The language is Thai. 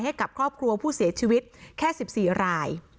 ให้กับครอบครัวผู้เสียชีวิตแค่๑๔ราย